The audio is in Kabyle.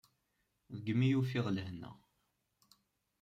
Deg-m i ufiɣ lehna.